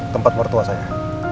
tempat mertua saya